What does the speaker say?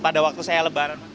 ada waktu saya lebar